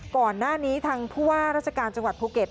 ก่อนหน้านี้ทางผู้ว่าราชการจังหวัดภูเก็ต